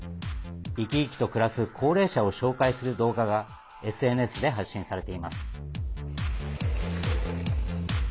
生き生きと暮らす高齢者を紹介する動画がＳＮＳで発信されています。